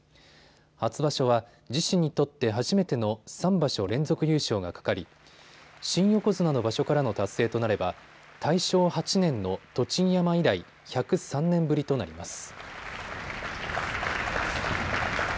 初場所は自身にとって初めての３場所連続優勝がかかり新横綱の場所からの達成となれば大正８年の栃木山以来、１０３年ぶりとなります。